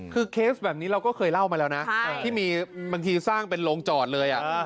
คือเคสแบบนี้เราก็เคยเล่ามาแล้วนะที่มีบางทีสร้างเป็นโรงจอดเลย